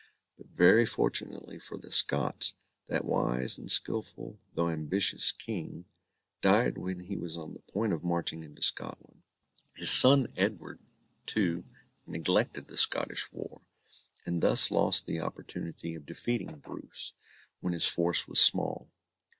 But very fortunately for the Scots, that wise and skilful, though ambitious King, died when he was on the point of marching into Scotland. His son Edward II neglected the Scottish war, and thus lost the opportunity of defeating Bruce, when his force was small.